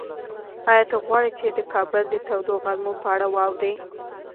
ایا ته غواړې چې د کابل د تودو غرمو په اړه واورې؟